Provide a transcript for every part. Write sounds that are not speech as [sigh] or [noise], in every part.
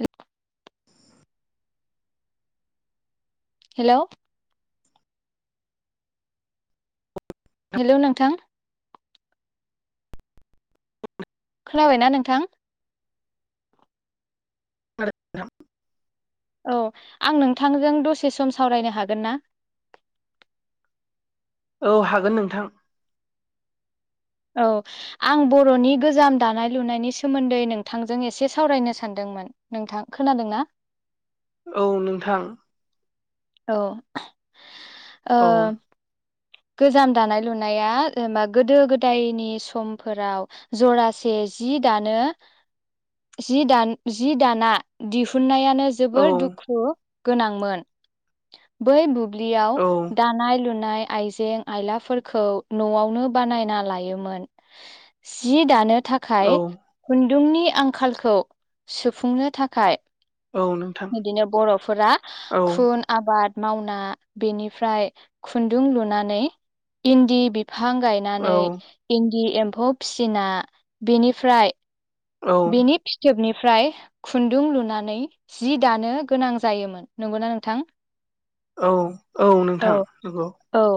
हेल' hello. Hello नोंथां। [inaudible] खोनाबायना नोंथां? [unintelligible] औ आं नोंथांजों दसे सम सावरायनो हागोन ना? औ हागोन नोंथां। औ आं बर'नि गोजाम दानाय लुनायनि सोमोन्दै नोंथांजों एसे सावरायनो सान्दों। मोन नोंथां खोनादों ना? औ नोंथां। औ औ ओ गोजाम दानाय लुनाया जेनेबा गोदो गोदायनि समफोराव जरासे जि दानो जि दान जि दाना दिहुननाया -नो औ जोबोर दुखु गोनांमोन बै बु -ब्लियाव औ दानाय लुनाय आइजें आइलाफोरखौ न'आवनो बानायना लायोमोन सि दानो औ थाखाय खुन्दुंनि आंखालखौ सुफुंनो थाखाय औ नोंथां बिदिनो बर'फोरा औ खुन आबाद मावना बेनिफ्राय खुन्दुं लुनानै इन्दि बेफो बिफां गायनानै औ इन्दि एम्फौ फिसिना बेनिफ्राय औ बेनि फिथोबनि -फ्राय खुन्दुं लुनानै जि दानो गोनां जायोमोन। नंगौना नोंथां? औ औ नोंथां नंगौ। गौ।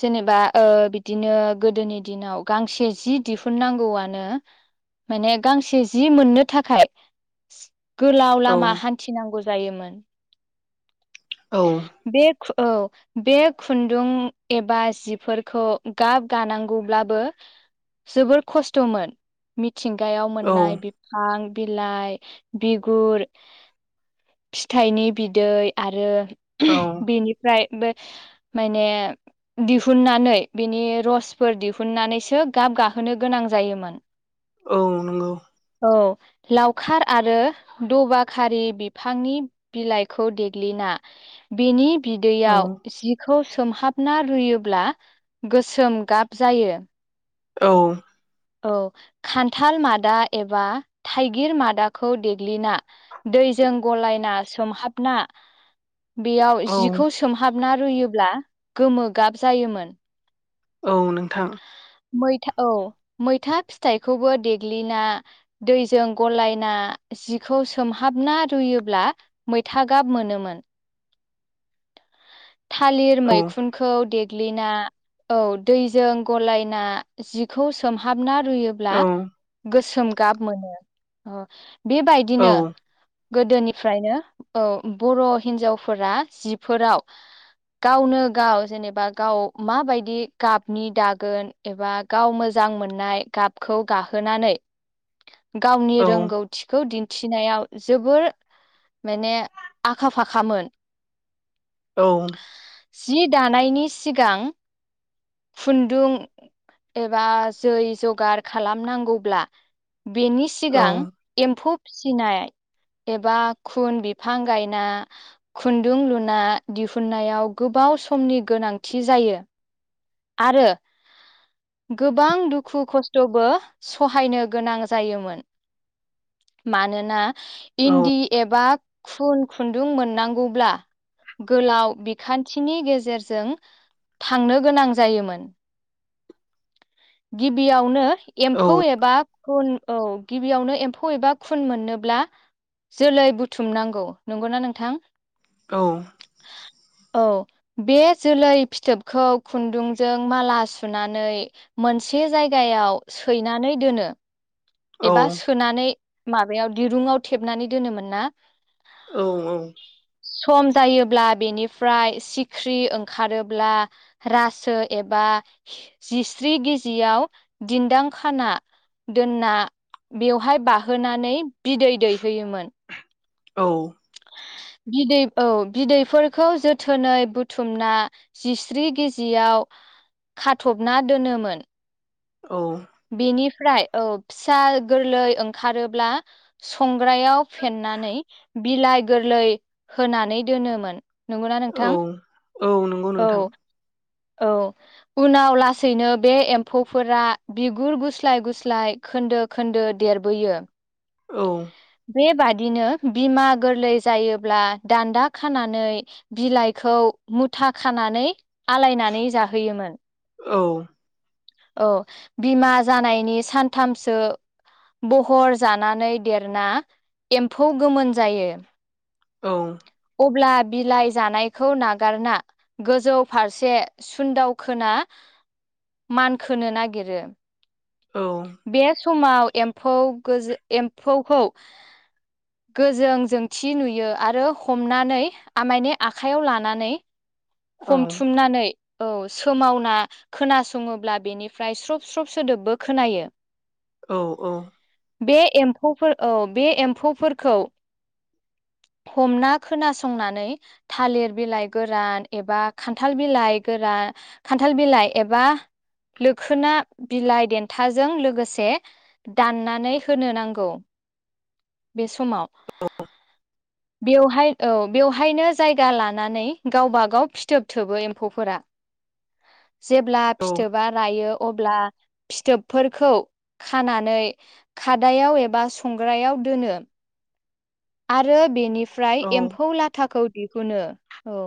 जेनेबा ओ बिदिनो गोदोनि दिनाव गांसे जि दिहुननांगौआनो माने गांसे जि मोननो थाखाय गोलाव औ लामा हान्थिनांगौ जायोमोन। औ। बे औ बे खुन्दुं एबा जिफोरखौ गाब गानांगौब्लाबो जोबोर खस्थ'मोन मिथिंगायाव औ मोननाय बिफां बिलाइ, बिगुर, फिथाइनि बिदै आरो औ बेनिफ्राय बे माने दिहुननानै बिनि रसफोर दिहुननानैसो गाब गाहोनो गोनां जायोमोन। औ नंगौ। औ लावखार आरो दबाखारि बिफांनि बिलाइखौ देग्लिना ना बिनि औ बिदैयाव जि -खौ सोमहाबना रुयोब्ला गोसोम गाब जायो। औ। औ खान्थाल मादा एबा थाइगिर मादाखौ देग्लिना दै जों गलायना सोमहाबना बेयाव औ जिखौ सोमहाबना रुयोब्ला गोमो गाब जायोमोन। औ नोंथां। मैथा औ मैथा फिथाइखौबो देग्लिना दैजों गलायना जिखौ सोमहाबना रुयोब्ला मैथा गाब मोनोमोन। थालिर औ मैखुनखौ देग ग्लिना औ दैजों गलायना जि सोमहाबना रुयोब्ला औ गोसोम गाब मोनो। ओ औ बेबायदिनो गोदोनिफ्रायनो औ बर' हिन्जावफोरा जिफोराव गावनो गाव जेनेबा गाव माबायदि गाबनि दागोन एबा गाव मोजां -जां मोननाय गाबखौ गाहोनानै गावनि औ रोंगौथिखौ दि -नथिनायाव जोबोर माने आखा फाखामोन। औ जि दानायनि सिगां खुन्दुं एबा जै जगार खालामनांगौब्ला बेनि औ सिगां औ एम्फौ फिसिनाय एबा खुन बिफां गायना खुन्दुं लु ना दिहुननायाव गोबाव समनि गोनांथि जायो। आरो गोबां दुखु खस्थ'बो सहायनो गोनां जायोमोन। मानोना इन्दि एबा खुन खुन्दुं मोननांगौब्ला गोलाव बिखान्थिनि गेजेरजों थांनो गोनां जायोमोन गिबियावनो एम्फौ एबा खुन औ गिबियावनो एम्फौ एबा खुन मोननोब्ला जोलै बुथुम नांगौ नोंगौ ना नोंथां । औ औ बे जोलै फिथोबखौ खुन्दुंजों माला सुनानै मोनसे जायगायाव सैनानै दोनो एबा सोनानै माबायाव दिरुंङाव थेबनानै दोनोमोन ना? औ औ सम जायोब्ला बेनिफ्राय सिख्रि ओंखारोब्ला रासो एबा बा जिस्रि गजियाव दिन्दां खाना दोनना बेवहाय बाहोनानै बिदै दैहोयोमोन । औ बिदै औ बिदैफोरखौ जोथोनै बुथुमना जिस्रि गिजि याव खाथबना दोनोमोन। औ बेनिफ्राय औ फिसा गोरलै ओंखारोब्ला सं ग्रायाव फेन्नानै बिलाइ गोरलै होनानै दोनोमोन। नंगौ ना औ नोंथां? औ नंगौ औ नोंथां औ उनाव लासैनो बे एम्फौ फोरा बिगुर गुस्लाय गुस्लाय खोन्दो खोन्दो देरबोयो। औ बे बादिनो बिमा गोरलै जायोब्ला दान्दा खानानै बिलाइखौ मुथा खानानै आलायनानै जाहोयोमोन । औ औ बिमा जानायनि सानथामसो बहर जा नानै देरना एम्फौ गोमोन जायो। औ अब्ला बिलाइ जानायखौ नागारना गोजौ फारसे सुनदाव खोना मान खोनो नागिरो। औ बे समाव एमफौ गोजो एम्फौखौ गोजों जोंथि नुयो आरो हमनानै आमाइनि आखाइयाव लानानै औ औ हमथुमनानै औ सोमावना खोनासंङोब्ला बेनिफ्राय स्रब स्रब सोदोबबो खोनायो। औ औ बे एम्फौ औ बे एम्फौफोरखौ हमना खोनासंनानै थालिर बिलाइ गोरान एबा खान्थाल बिलाइ गोरान आ खान्थाल बिलाइ एबा लोखोना बिलाइ देन थाजों लोगोसे दाननानै होनो नांगौ, बे समाव अ बेवहाय औ बेवहायनो जायगा लानानै गावबागाव फिथोब थोबो एम्फौफोरा जेब्ला फिथोबा रायो अब्ला फिथोबफोरखौ खानानै खादायाव एबा संग्रायाव दोनो आरो बेनिफ्राय एम्फौ लाथाखौ दिहुनो। औ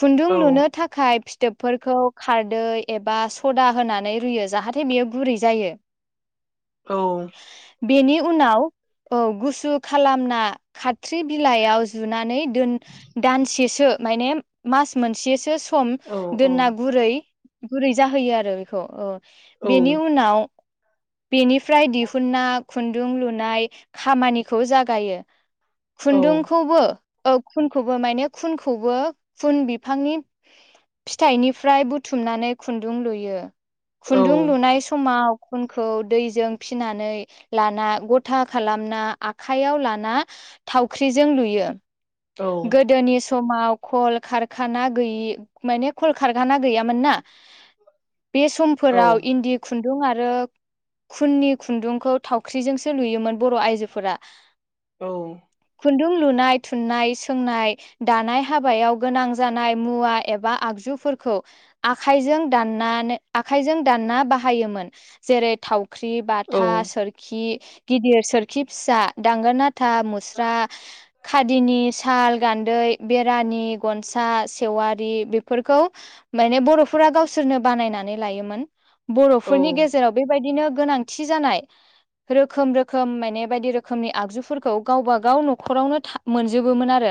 खुन्दुं लुनो थाखाय फिथोबफोरखौ खारदै एबा सदा होनानै रुयो जाहाथे बेयो गुरै जायो। [inaudible] औ। बेनि उनाव औ गुसु खालामना खाथ्रि बिलाइयाव जुनानै दोन दानसेसो माने मास मोनसेसो सम दोनना गुरै गुरै जाहोयो आरो बेखौ औ। बेनि नाव बेनिफ्राय दिहुना खुन्दुं लुनाय खामानिखौ जागायो। खुन्दुंखौबो औ खुनखौबो माने खुनखौबो खुन बिफांनि फिथाइनिफ्राय बुथुमनानै खुन्दुं लुयो। खुन्दुं लुनाय समाव खुनखौ दैजों फिनानै लाना गथा खालामना आखाइयाव लाना थावख्रिजों लुयो गोदोनि समाव खल खारखाना गैयि माने खल खारखाना गैयामोन ना बे समफोराव इन्दि खु खुन्दुं आरो खुननि खुन्दुंखौ थावख्रिजोंसो नुयोमोन बर आइजोफोरा औ खुन्दुं लुनाय थुननाय सोंनाय दानाय हाबायाव गोनां जानाय मुवा एबा आगजु फोरखौ आखाइजों दानना आखाइजों दानना बाहायोमोन जेरै थाव फख्रि बाथा सोरखि गिदिर सोरखि फिसा दांगोना था मुस्रा खादिनि साल गान्दै बेरानि गनसा सेवारि बेफोरखौ माने बरफोरा गावसोरनो बानायनानै लायोमोन। बरफोरनि गेजेराव बेबायदिनो गोनांथि जानाय रोखोम-रोखोम माने बायदि रोखोमनि आगजुफोर गावबा गाव नखरावनो मोनजोबोमोन आरो।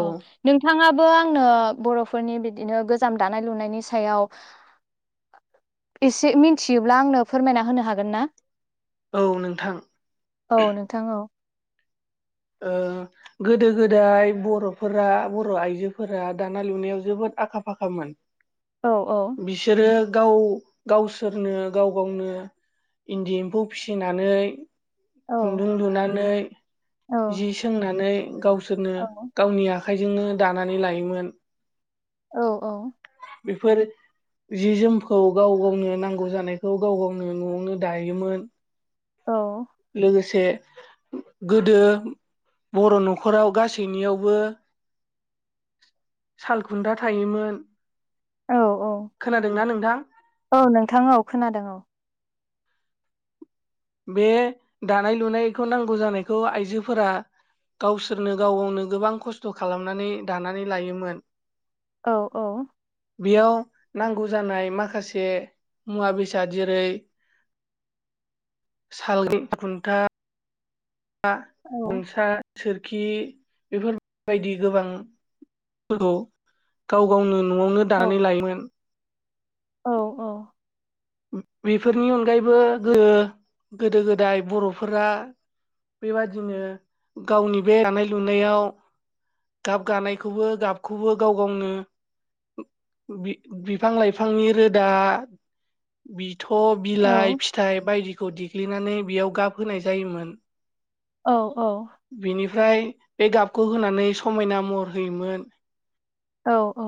अ नोंथाङा बो आंनो बरफोरनि बिदिनो गोजाम दानाय लुनायनि सायाव एसे मिथियोब्ला आंनो फोरमायना होनो हागोन ना? औ नोंथां। अ ओ गोदो गोदाय बरफोरा बर आइजोफोरा दानाया लुनायाव जोबोद आखा फाखामोन। औ औ बिसोरो गाव गावसोरनो गाव गावनो इन्दि एम्फौ फिसिनानै औ खुन्दुं लुनानै औ जि सोंनानै गावसोरनो गावनि आखाइजोंनो दानानै लायोमोन। औ औ। बेफोर जि जोमखौ गाव गावनो नांगौ जानायखौ गाव गावनो नआवनो दायोमोन। औ लोगोसे गोदो बर नखराव गासैनियावबो सालखुन्द्रा थायोमोन। औ औ खोनादोंना नोंथां? औ नोंथां औ खोनादों औ। बे दानाय-लुनायखौ नांगौ जानायखौ आइजोफोरा गावसोरनो गाव गावनो गोबां खस्थ खालामनानै दानानै लायोमोन। औ औ बेयाव नांगौ जानाय माखासे मुवा बेसाद जेरै [inaudible] साल खुन्था गनसा सोरखि बेफोरबायदि गोबां फोरखौ गाव गावनो न'आवनो औ दानानै लायोमोन औ औ बेफोरनि अनगायैबो गोदो गोदो गोदाय बर'फोरा बेबादिनो गावनि बे दानाय लुनायाव गाब गानायखौबो गाबखौबो गाव गावनो बिफां लाइफांनि रोदा बिथ' बिलाइ फिथाइ बायदिखौ देग्लिनानै बेयाव गाब होनाय जायोमोन औ औ ओमफ्राय बे गाबखौ होनानै समायना महर होयोमोन औ औ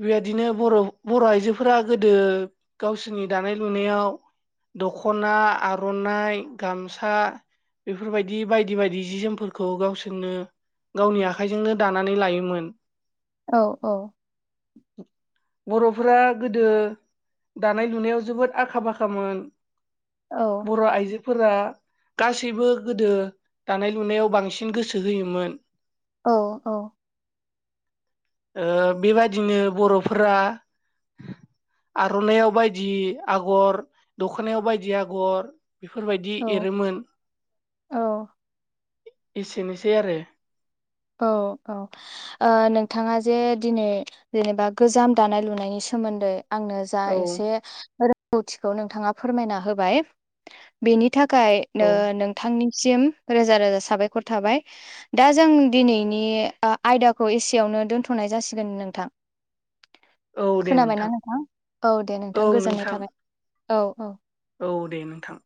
बेबायदिनो बर' बर' आइजोफोरा गोदो गावसोरनि दानाय लुनायाव दख'ना आर'नाइ गामसा बेफोरबायदि बायदि बायदि जि जोमफोरखौ गावसोरनो गावनि आखाइजोंनो दानानै लायोमोन औ औ बर'फोरा गोदो दानाय लुनायाव जोबोद आखा फाखामोन बर' आइजो फोरा गासैबो गोदो दानाय लुनायाव बांसिन गोसो होयोमोन औ औ ओ बेबायदिनो बर'फोरा आर'नायाव बायदि आगर दखनायाव बायदि आगर बेफोरबायदि एरोमोन एसेनोसै आरो औ औ नोंथाङा ओ जे दिनै जेनेबा गोजाम दानाय लुनायनि सा सोमोन्दै आंनो जा औ एसे रोंगौथिखौ नोंथाङा फोरमायना होबाय बेनि नि थाखाय औ नोंथांनिसिम रोजा रोजा साबायखर थाबाय दा जों दिनैनि आयदाखौ एसेयावनो दोन्थ'नाय जासिगोन नोंथां औ दे खोनाबायना नोंथां औ दे नोंथां गोजोननाय थाबाय औ औ औ दे नोंथां